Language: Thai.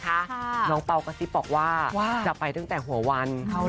น้องเปล่ากระซิบบอกว่าจะไปตั้งแต่หัววัน